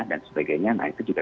dan sebagainya nah itu juga